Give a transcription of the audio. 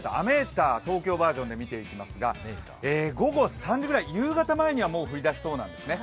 ター、東京バージョンで見ていきますが午後３時くらい、夕方前には降り出しそうなんですね。